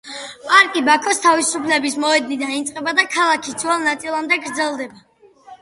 პარკი ბაქოს თავისუფლების მოედნიდან იწყება და ქალაქის ძველ ნაწილამდე გრძელდება.